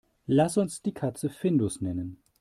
Lass uns die Katze Findus nennen.